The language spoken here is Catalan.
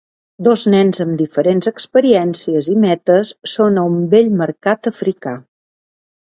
Dos nens amb diferents experiències i metes són a un vell mercat africà.